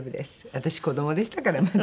私子どもでしたからまだ。